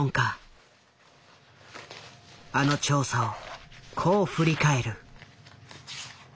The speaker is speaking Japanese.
あの調査をこう振り返る。